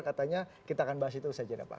katanya kita akan bahas itu saja ya pak